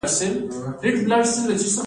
هنګ په سمنګان کې کیږي